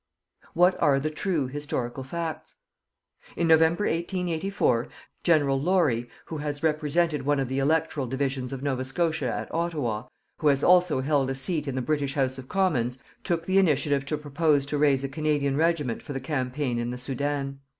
What are the true historical facts? In November 1884, General Laurie, who has represented one of the electoral divisions of Nova Scotia at Ottawa, who has also held a seat in the British House of Commons, took the initiative to propose to raise a Canadian regiment for the campaign in the Soudan.